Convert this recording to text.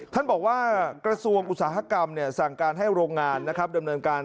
ท่านบอกว่ากระทรวงอุตสาหกรรมสั่งการให้โรงงานนะครับดำเนินการ